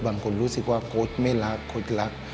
บางคนรู้สึกว่าโค้ชไม่รักโค้ชรัก